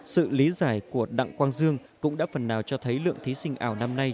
sự lý giải của đặng quang dương cũng đã phần nào cho thấy lượng thí sinh ảo năm nay